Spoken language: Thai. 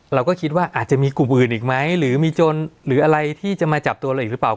เราก็คิดว่าอาจจะมีกลุ่มอื่นอีกไหมหรือมีโจรหรืออะไรที่จะมาจับตัวเราอีกหรือเปล่า